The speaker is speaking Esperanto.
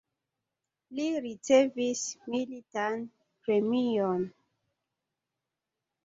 Li ricevis militan premion.